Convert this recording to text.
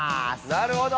なるほど。